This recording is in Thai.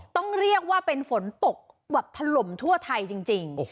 ต้องเรียกว่าเป็นฝนตกแบบถล่มทั่วไทยจริง